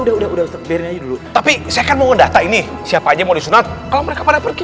udah udah tapi saya kan mau data ini siapa aja mau disunat kalau mereka pada pergi